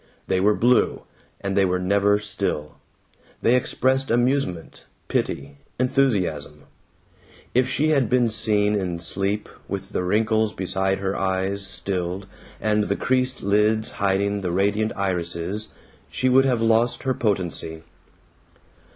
They were blue, and they were never still; they expressed amusement, pity, enthusiasm. If she had been seen in sleep, with the wrinkles beside her eyes stilled and the creased lids hiding the radiant irises, she would have lost her potency.